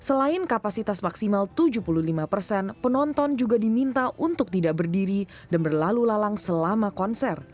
selain kapasitas maksimal tujuh puluh lima persen penonton juga diminta untuk tidak berdiri dan berlalu lalang selama konser